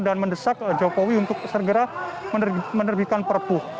dan mendesak jokowi untuk segera menerbitkan perpuh